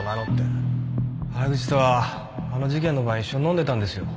原口とはあの事件の晩一緒に飲んでたんですよ。